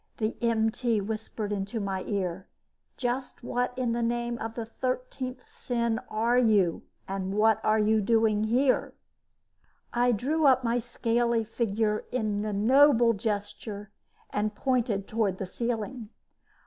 The MT whispered into my ear, "Just what in the name of the thirteenth sin are you and what are you doing here?" I drew up my scaly figure in a noble gesture and pointed toward the ceiling.